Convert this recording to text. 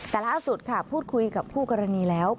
แต่ล่าสุดค่ะพูดคุยกับคู่กรณีแล้ว